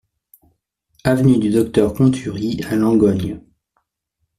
Avenue du Docteur Conturie à Langogne